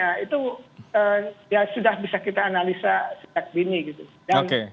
ya itu ya sudah bisa kita analisa sejak dini gitu